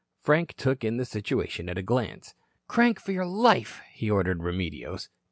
Frank took in the situation at a glance. "Crank for your life," he ordered Remedios.